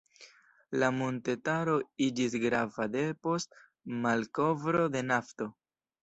La montetaro iĝis grava depost malkovro de nafto.